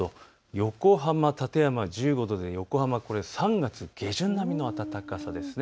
横浜、館山１５度で横浜は３月下旬並みの暖かさです。